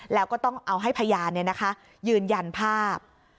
แล้วก็ต้องเอาให้พยานยืนยันภาพ